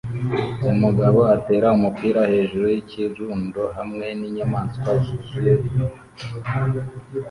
Umugabo atera umupira hejuru yikirundo hamwe ninyamaswa zuzuye inyuma